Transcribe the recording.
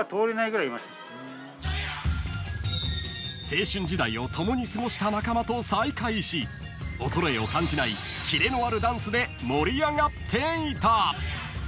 ［青春時代を共に過ごした仲間と再会し衰えを感じない切れのあるダンスで盛り上がっていた］